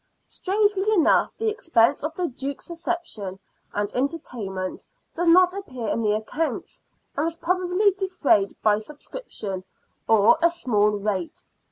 Strangely enough, the expense of the Duke's reception and entertainment does not appear in the accounts, and was probably defrayed by subscription or a small rate.